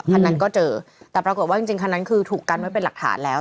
คันนั้นก็เจอแต่ปรากฏว่าจริงคันนั้นคือถูกกันไว้เป็นหลักฐานแล้ว